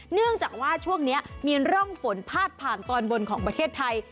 เนื่องจากว่าช่วงนี้มีร่องฝนพาดผ่านตอนบนของประเทศไทย